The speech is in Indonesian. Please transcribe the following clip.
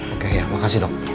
oke ya makasih dok